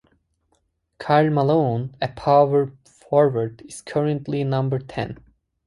Karl Malone, a power forward, is currently number ten.